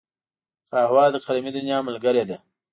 قهوه د قلمي دنیا ملګرې ده